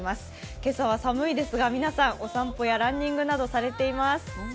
今朝は寒いですが、皆さん、お散歩やランニングなどされています。